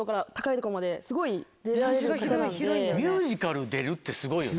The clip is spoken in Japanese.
ミュージカル出るってすごいよね。